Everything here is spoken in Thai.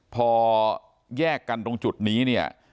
พอแยกกันตรงจุดนี้